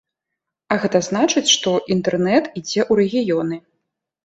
А гэта значыць, што інтэрнэт ідзе ў рэгіёны.